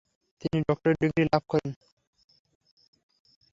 তিনি doctorate degree লাভ করেন।